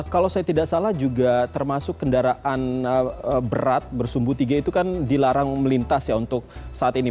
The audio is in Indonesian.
kalau saya tidak salah juga termasuk kendaraan berat bersumbu tiga itu kan dilarang melintas ya untuk saat ini